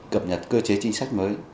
cập nhật cơ chế chính sách mới